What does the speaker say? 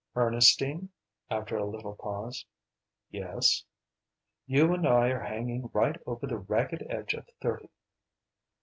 "Ernestine?" after a little pause. "Yes?" "You and I are hanging right over the ragged edge of thirty."